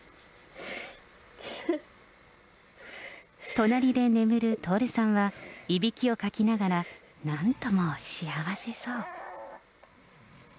隣で眠る徹さんは、いびきをかきながら、なんとも幸せそう。